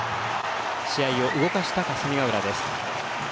試合を動かした、霞ヶ浦です。